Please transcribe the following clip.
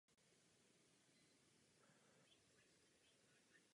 To si musíme uvědomit.